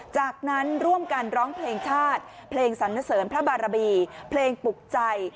จากนั้นร่วมกันร้องเพลงชาติเพลงสันเสริญพระบารมีเพลงปลุกใจ